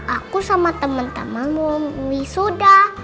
aku sama temen temen mau wisuda